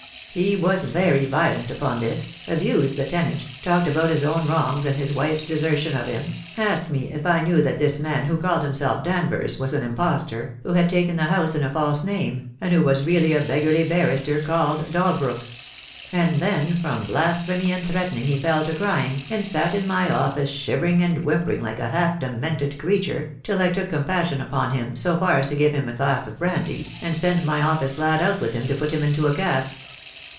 He was very violent upon this, abused the tenant, talked about his own wrongs and his wife's desertion of him, asked me if I knew that this man who called him self Danvers was an impostor, who had taken the house in a false name, and who was really a beggarly barrrister called Dalbrook; and then from blasphemy and threaten ing he fell to crying, and sat in my office shivering and whimpering like a half demented creature, till I took com passion upon him so far as to give him a glass of brandy, and send my office lad out with him to put him into a cab."